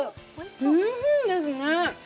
おいしいですね。